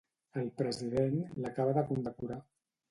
El president l'acaba de condecorar.